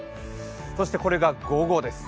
そしてこれが午後です。